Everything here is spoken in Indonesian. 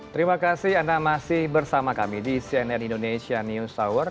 terima kasih anda masih bersama kami di cnn indonesia news hour